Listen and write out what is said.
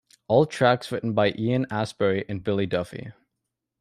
All tracks written by Ian Astbury and Billy Duffy.